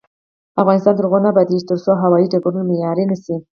افغانستان تر هغو نه ابادیږي، ترڅو هوايي ډګرونه معیاري نشي.